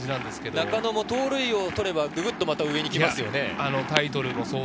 中野も盗塁王が取れればぐっと上に行きますよね。